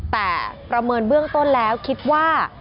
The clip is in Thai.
แต่ประเมินเบื้องต้นแล้วคิดว่า